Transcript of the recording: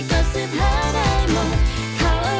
สามารถรับชมได้ทุกวัย